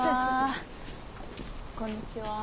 こんにちは。